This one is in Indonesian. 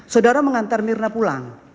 saudara mengantar mirna pulang